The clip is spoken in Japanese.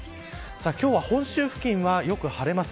今日は本州付近はよく晴れます。